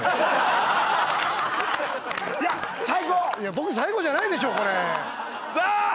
僕最後じゃないでしょ。